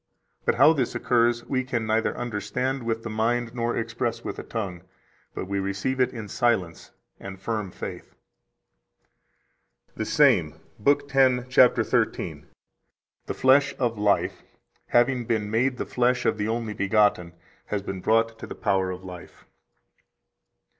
But how this occurs we can neither understand with the mind nor express with the tongue, but we receive it in silence and firm faith." 125 The same, lib. 10, cap. 13 (p.501): "The flesh of life, having been made the flesh of the Only begotten, has been brought to the power of life."